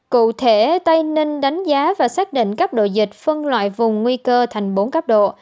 cụ thể tây ninh đánh giá và xác định cấp độ dịch phân loại vùng nguy cơ thành bốn cấp độ